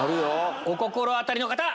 お心当たりの方！